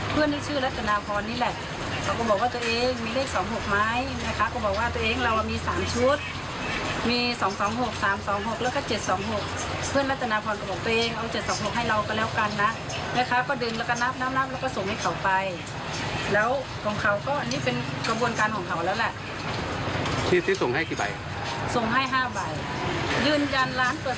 เพื่อนที่ชื่อรัตนาพรนี่แหละเขาก็บอกว่าตัวเองมีเลข๒๖ไหมนะคะก็บอกว่าตัวเองเรามี๓ชุดมี๒๒๖๓๒๖แล้วก็๗๒๖เพื่อนรัฐนาพรก็บอกตัวเองเอา๗๒๖ให้เราก็แล้วกันนะแม่ค้าก็ดึงแล้วก็นับนับแล้วก็ส่งให้เขาไปแล้วของเขาก็อันนี้เป็นกระบวนการของเขาแล้วแหละที่ที่ส่งให้กี่ใบส่งให้๕ใบยืนยันล้านตัว